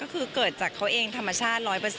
ก็คือเกิดจากเขาเองธรรมชาติ๑๐๐